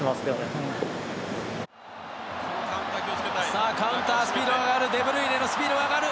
さあカウンタースピードが上がるデブルイネのスピードが上がる。